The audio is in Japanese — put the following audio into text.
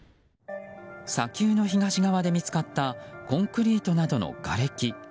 砂丘の東側で見つかったコンクリートなどのがれき。